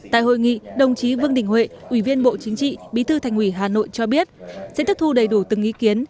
tại hội nghị đồng chí vương đình huệ ủy viên bộ chính trị bí thư thành ủy hà nội cho biết sẽ thức thu đầy đủ từng ý kiến